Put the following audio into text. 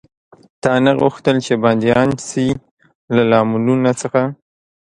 تا نه غوښتل، چې بندیان شي؟ له لاملونو څخه.